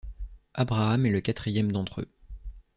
Abraham est le quatrième d'entre eux.